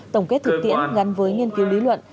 tổng kết thực tiễn gắn với nghiên cứu lý luận